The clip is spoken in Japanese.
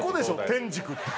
天竺って。